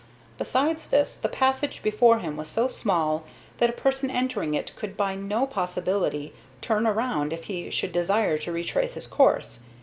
Besides this, the passage before him was so small that a person entering it could by no possibility turn around if he should desire to retrace his course.